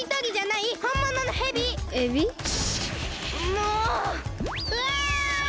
もううわ！